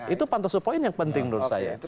itu pantas sepoin yang penting menurut saya